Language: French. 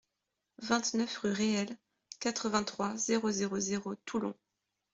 vingt-neuf rue Réhel, quatre-vingt-trois, zéro zéro zéro, Toulon